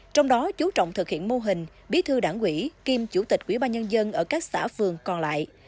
trong đó chú trọng thực hiện mô hình bí thư đảng quỹ kiêm chủ tịch quỹ ba nhân dân ở các xã phường còn lại